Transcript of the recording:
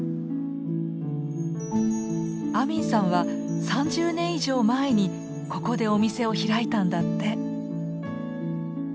アミンさんは３０年以上前にここでお店を開いたんだって。